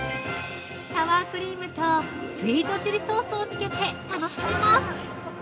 サワークリームとスイートチリソースをつけて楽しめます。